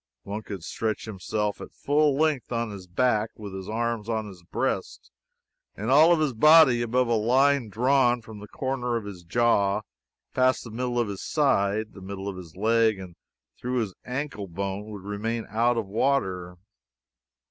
One could stretch himself at full length on his back, with his arms on his breast, and all of his body above a line drawn from the corner of his jaw past the middle of his side, the middle of his leg and through his ancle bone, would remain out of water.